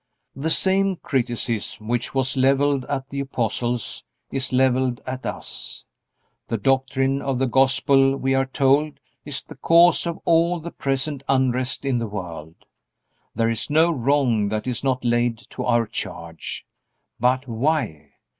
The same criticism which was leveled at the apostles is leveled at us. The doctrine of the Gospel, we are told, is the cause of all the present unrest in the world. There is no wrong that is not laid to our charge. But why?